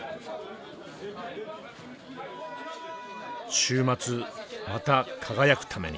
週末また輝くために。